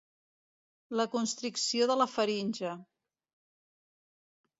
La constricció de la faringe.